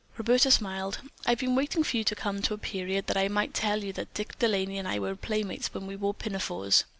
Roberta smiled. "I've been waiting for you to come to a period that I might tell you that Dick De Laney and I were playmates when we wore pinafores.